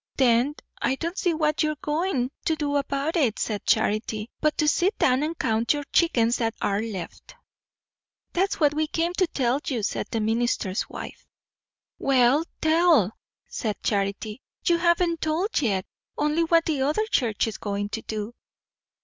"Then I don't see what you are goin' to do about it," said Charity, "but to sit down and count your chickens that are left." "That's what we came to tell you," said the minister's wife. "Well, tell," said Charity. "You haven't told yet, only what the other church is going to do."